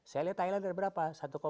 saya lihat thailand ada berapa